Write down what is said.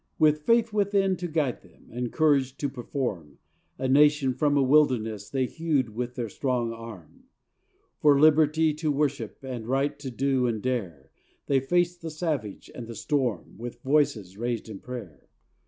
With faith within to guide them, And courage to perform, A nation, from a wilderness, They hewed with their strong arm. For liberty to worship, And right to do and dare, They faced the savage and the storm With voices raised in prayer.